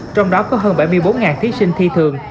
trong đó có hơn bảy mươi bốn thí sinh thi thường